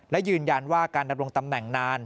และยืนยันว่าการดำรงตำแหน่งนาน